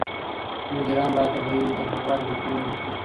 مدیران باید د بیو د لوړوالي مخنیوی وکړي.